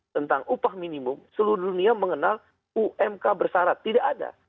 tentang upah minimum seluruh dunia mengenal umk bersarat tidak ada